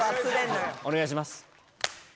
お願いします。